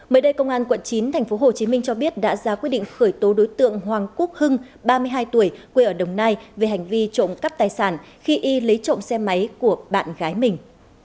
mới đây công an quận chín thành phố hồ chí minh cho biết đã ra quy định khởi tố đối tượng hoàng quốc hưng ba mươi hai tuổi quê ở đồng nai về hành vi trộm cắp tài sản khi y lấy trộm xe máy của bạn gái mình